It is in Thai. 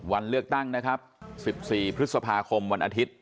วันเลือกตั้งนะครับ๑๔พฤษภาคมวันอาทิตย์